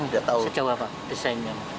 sejauh apa desainnya